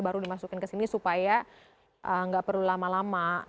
baru dimasukin ke sini supaya nggak perlu lama lama